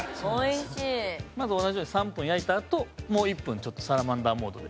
まず、同じように３分焼いたあともう１分、ちょっとサラマンダーモードで。